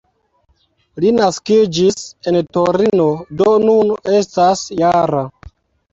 Li naskiĝis en Torino, do nun estas -jara.